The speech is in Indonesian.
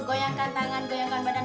goyangkan tangan goyangkan badan